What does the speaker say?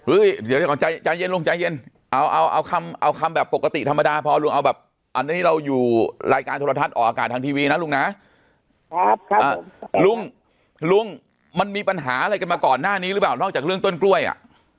เดี๋ยวก่อนใจเย็นลุงใจเย็นเอาเอาคำแบบปกติธรรมดาพอลุงเอาแบบอันนี้เราอยู่รายการโทรทัศน์ออกอากาศทางทีวีนะลุงนะลุงลุงมันมีปัญหาอะไรกันมาก่อนหน้านี้หรือเปล่านอกจากเรื่องต้นกล้วยอ่ะ